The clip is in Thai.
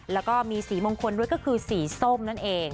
แล้วก็มีสีมงคลด้วยก็คือสีส้มนั่นเอง